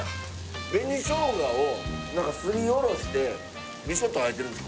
紅しょうがをすりおろして味噌と和えてるんですか？